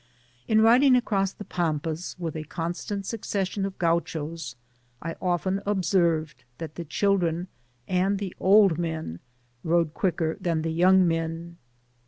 Tn riding across the Pampas with a constant succession of Gauchos, I often observed that the children and the old men rode quicker than the young men.